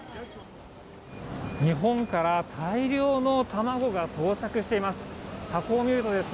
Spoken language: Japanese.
日本から大量の卵が到着しています。